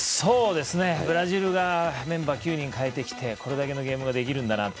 ブラジルがメンバー９人代えてきてこれだけのゲームができるんだなと。